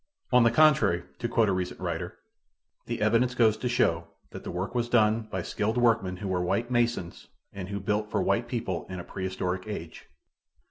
On the contrary, to quote a recent writer, "The evidence goes to show that the work was done by skilled workmen who were white masons and who built for white people in a prehistoric age."